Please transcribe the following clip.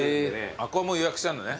ここは予約してあんのね。